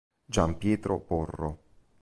Gian Pietro Porro